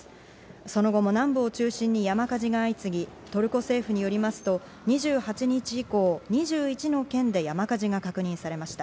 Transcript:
その後も南部を中心に山火事が相次ぎ、トルコ政府によりますと、２８日以降、２１の県で山火事が確認されました。